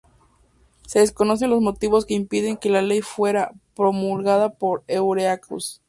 Se desconocen los motivos que impidieron que la ley fuera promulgada por Heureaux.